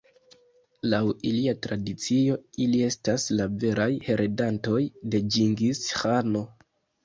Laŭ ilia tradicio, ili estas la veraj heredantoj de Ĝingis-Ĥano.